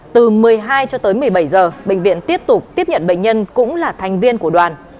từ một mươi hai cho tới một mươi bảy giờ bệnh viện tiếp tục tiếp nhận bệnh nhân cũng là thành viên của đoàn